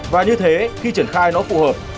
và như thế khi triển khai nó phù hợp